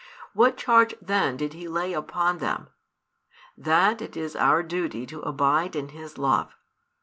What charge then did He lay upon them? That it is our duty to abide in His love.